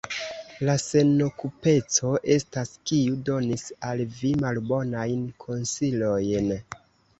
La senokupeco estas, kiu donis al vi malbonajn konsilojn.